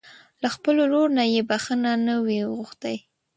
له خپل ورور نه يې بښته نه وي غوښتې.